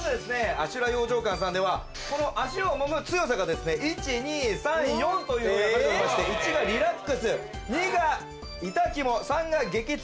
足裏養生館さんでは足をもむ強さがですね１・２・３・４というふうに分かれておりまして１が「リラックス」２が「痛キモ」３が「激痛」